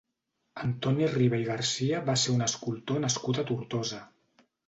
Antoni Riba i Garcia va ser un escultor nascut a Tortosa.